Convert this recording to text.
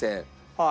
はい。